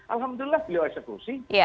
alhamdulillah beliau eksekusi